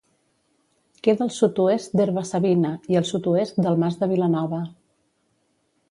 Queda al sud-oest d'Herba-savina i al sud-oest del Mas de Vilanova.